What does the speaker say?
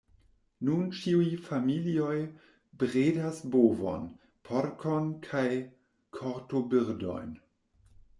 Nun ĉiuj familioj bredas bovon, porkon kaj kortobirdojn.